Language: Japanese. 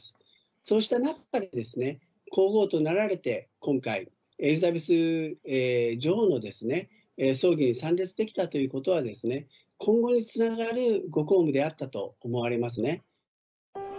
そうした中から、皇后となられて今回、エリザベス女王の葬儀に参列できたということは、今後につながるご公務であったと思われますね。